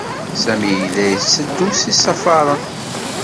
Sami yella yetteddu s yisafaren.